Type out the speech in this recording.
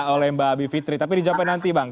oleh mbak bivitri tapi dijawabkan nanti bang